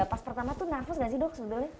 pas pertama tuh nervous gak sih dok sebenarnya